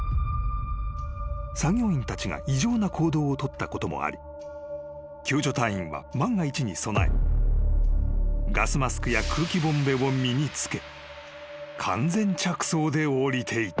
［作業員たちが異常な行動を取ったこともあり救助隊員は万が一に備えガスマスクや空気ボンベを身に着け］